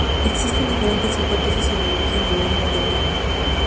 Existen diferentes hipótesis sobre el origen del nombre del barrio.